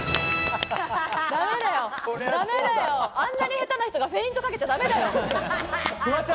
ダメだよ、あんなに下手な人がフェイントかけちゃだめだよ。